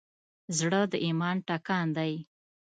زړه د ایمان ټکان دی.